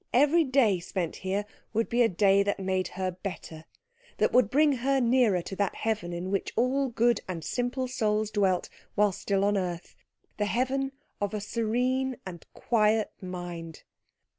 every day spent here would be a day that made her better, that would bring her nearer to that heaven in which all good and simple souls dwelt while still on earth, the heaven of a serene and quiet mind.